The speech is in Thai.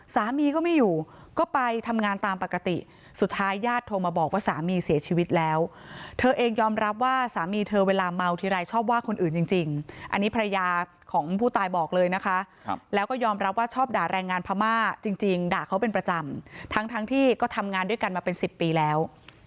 สามีก็ไม่อยู่ก็ไปทำงานตามปกติสุดท้ายญาติโทรมาบอกว่าสามีเสียชีวิตแล้วเธอเองยอมรับว่าสามีเธอเวลาเมาทีไรชอบว่าคนอื่นจริงอันนี้ภรรยาของผู้ตายบอกเลยนะคะแล้วก็ยอมรับว่าชอบด่าแรงงานพม่าจริงด่าเขาเป็นประจำทั้งที่ก็ทำงานด้วยกันมาเป็นสิบปีแล้ว